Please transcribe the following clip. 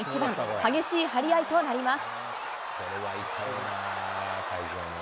激しい張り合いとなります。